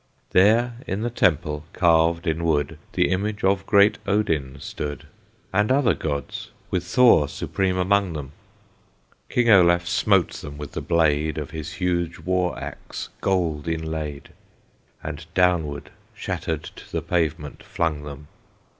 There in the Temple, carved in wood, The image of great Odin stood, And other gods, with Thor supreme among them. King Olaf smote them with the blade Of his huge war axe, gold inlaid, And downward shattered to the pavement flung them.